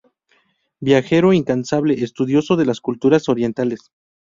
Viajero incansable, estudioso de las culturas orientales.